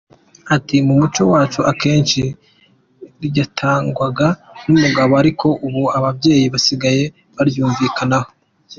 Ati “Mu muco wacu akenshi ryatangwaga n’umugabo ariko ubu ababyeyi basigaye baryumvikanaho.